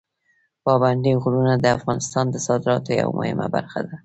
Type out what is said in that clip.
پابندي غرونه د افغانستان د صادراتو یوه مهمه برخه ده.